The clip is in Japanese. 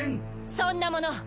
そんなもの